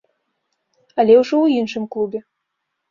Але ўжо ў іншым клубе.